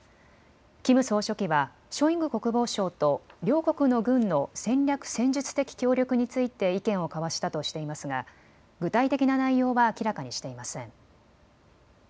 キム総書記はショイグ国防相と両国の軍の戦略・戦術的協力について意見を交わしたとしていますが具体的な内容は明らかにしていません。